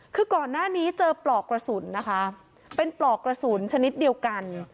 คือก่อนหน้านี้เจอปลอกกระสุนนะคะเป็นปลอกกระสุนชนิดเดียวกัน